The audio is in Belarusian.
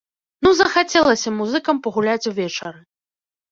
Ну захацелася музыкам пагуляць увечары!